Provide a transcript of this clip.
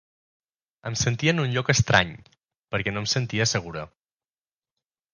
Em sentia en un lloc estrany, perquè no em sentia segura.